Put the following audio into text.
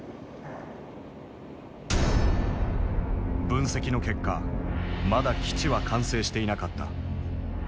分析の結果まだ基地は完成していなかった。